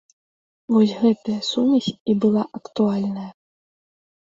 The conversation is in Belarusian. Вось гэтая сумесь і была актуальная.